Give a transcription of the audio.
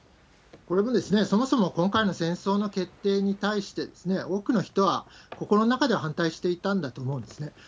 これも、そもそも今回の戦争の決定に対して、多くの人は心の中では反対していたんだと思うんですね。